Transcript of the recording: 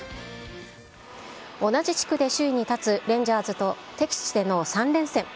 同じ地区で首位に立つレンジャーズと、敵地での３連戦。